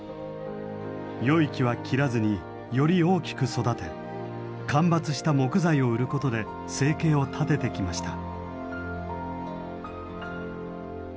よい木は切らずにより大きく育て間伐した木材を売ることで生計を立ててきました。